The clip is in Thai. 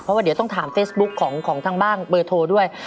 เพราะว่าเดี๋ยวต้องถามเฟซบุ๊คของทางบ้างเบอร์โทรด้วย